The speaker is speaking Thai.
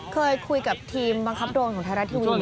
เคยคุยกับทีมปังครับโรนของไทยรัฐที่วิวเหมือนกัน